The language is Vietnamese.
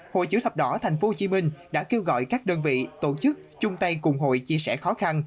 hội chữ thập đỏ tp hcm đã kêu gọi các đơn vị tổ chức chung tay cùng hội chia sẻ khó khăn